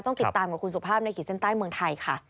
ต้องติดตามกับคุณสุภาพในขีดเส้นใต้เมืองไทยค่ะ